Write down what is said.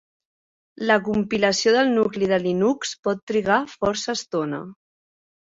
La compilació del nucli de Linux pot trigar força estona.